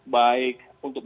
baik untuk memenuhi kepentingan